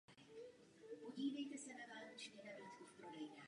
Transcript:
To je velmi důležité v případě vzácných onemocnění.